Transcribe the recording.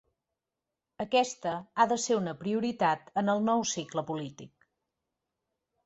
Aquesta ha de ser una prioritat en el nou cicle polític.